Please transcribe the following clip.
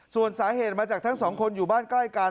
ส่วนสาเหตุมาจากทั้งสองคนอยู่บ้านใกล้กัน